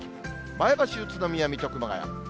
前橋、宇都宮、水戸、熊谷。